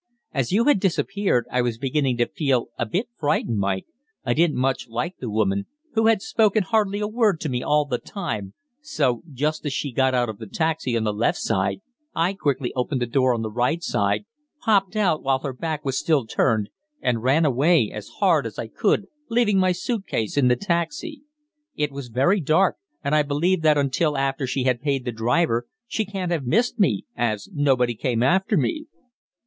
As you had disappeared, I was beginning to feel a bit frightened, Mike, I didn't much like the woman, who had spoken hardly a word to me all the time, so just as she got out of the taxi on the left side, I quickly opened the door on the right side, popped out while her back was still turned, and ran away as hard as I could, leaving my suit case in the taxi. It was very dark, and I believe that until after she had paid the driver she can't have missed me, as nobody came after me."